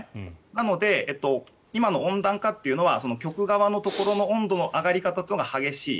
なので今の温暖化というのは極側のところの温度の上がり方というのが激しい。